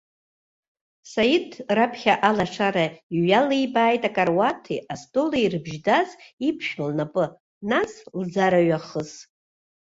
Саид раԥхьа алашара иҩалибааит акаруаҭи астоли ирыбжьдаз иԥшәма лнапы, нас лӡараҩахыс.